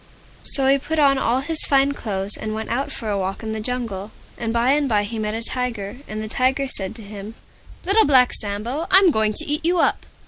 So he put on all his Fine Clothes, and went out for a walk in the Jungle. And by and by he met a Tiger. And the Tiger said to him, "Little Black Sambo, I'm going to eat you up!"